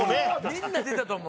みんな出たと思う。